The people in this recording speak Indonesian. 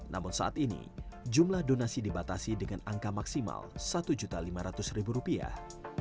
namun saat ini jumlah donasi dibatasi dengan angka maksimal satu lima ratus rupiah